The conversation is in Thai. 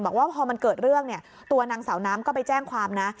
บอกว่าพอมันเกิดเรื่องเนี่ยตัวนางสาวน้ำก็ไปแจ้งความนะ